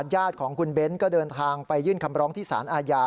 ญาติของคุณเบ้นก็เดินทางไปยื่นคำร้องที่สารอาญา